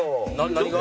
何が？